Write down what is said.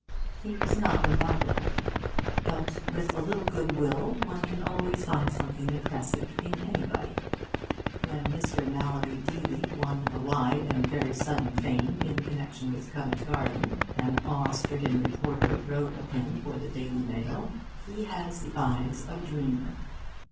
He was not remarkable. But with a little good will one can always find something impressive in anybody. When Mr. Mallaby Deeley won a wide and very sudden fame in connexion with Covent Garden, an awe stricken reporter wrote of him for The Daily Mail, 'he has the eyes of a dreamer.